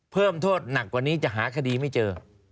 เพิ่มโทษหนักกว่านี้จะหาคดีไม่เจอ